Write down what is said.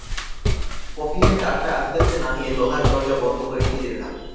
কফিনের ডালটা আস্তে আস্তে নামিয়ে লোহার দরজা বন্ধ করে ফিরে এলাম।